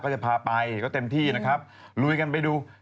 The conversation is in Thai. ก็จะพาไปทำได้ครับไปดู